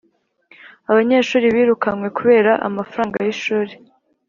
Abanyeshuri birukanywe kubera amafaranga y’ ishuri